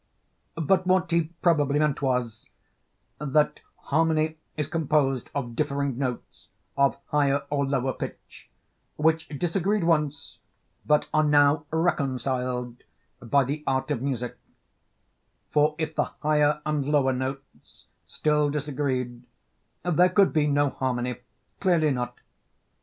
But what he probably meant was, that harmony is composed of differing notes of higher or lower pitch which disagreed once, but are now reconciled by the art of music; for if the higher and lower notes still disagreed, there could be no harmony, clearly not.